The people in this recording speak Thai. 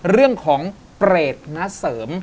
เรื่องของเปรตณเสริม